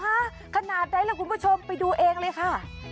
ขนาดไหนล่ะคุณผู้ชมไปดูเองเลยค่ะ